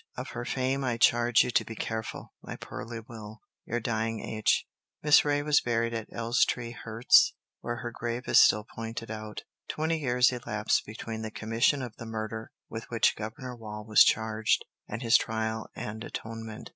Of her fame I charge you to be careful. My poorly will ... "Your dying H." Miss Reay was buried at Elstree, Herts., where her grave is still pointed out. Twenty years elapsed between the commission of the murder with which Governor Wall was charged and his trial and atonement.